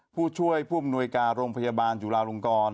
ผู้ช่วยผู้อำนวยการโรงพยาบาลจุลาลงกร